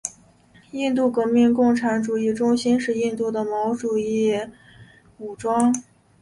印度革命共产主义中心是印度的毛主义武装。